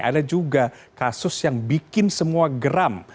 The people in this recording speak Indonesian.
ada juga kasus yang bikin semua geram